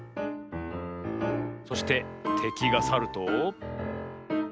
そしててきがさると。